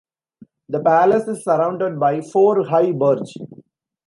The palace is surrounded by four high burj.